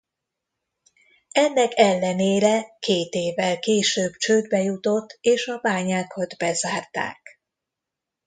Ennek ellenére két évvel később csődbe jutott és a bányákat bezárták.